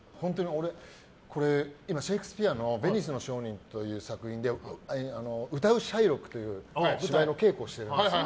今、シェイクスピアの「ヴェニスの商人」という作品で「歌うシャイロック」という芝居の稽古をしてるんです。